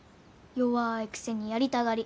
弱いくせにやりたがり。